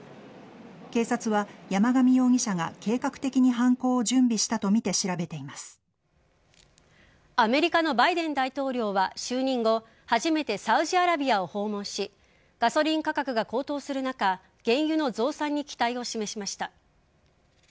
警察は山上容疑者が計画的に犯行を準備したとみてアメリカのバイデン大統領は就任後初めてサウジアラビアを訪問しガソリン価格が高騰する中原油の増産に期待を示しました。